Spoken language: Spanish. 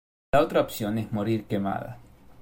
La otra opción es morir quemada.